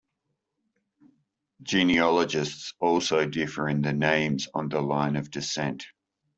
Genealogists also differ in the names on the line of descent.